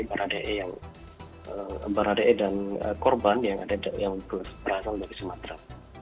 baradei dan korban yang berasal dari sumatera